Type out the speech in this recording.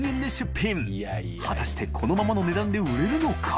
このままの値段で売れるのか？